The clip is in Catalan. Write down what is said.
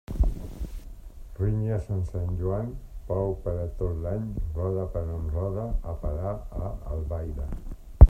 Rinyes en Sant Joan, pau per a tot l'any Rode per on rode, a parar a Albaida.